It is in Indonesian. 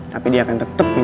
tapi dia akan tetep jadi ular